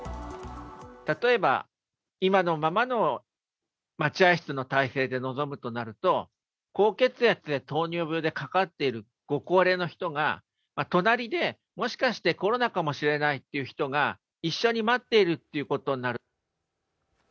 例えば今のままの待合室の体制で臨むとなると高血圧や糖尿病でかかっているご高齢の方が、隣でもしかしてコロナかもしれないという人が一緒に待っているということになる。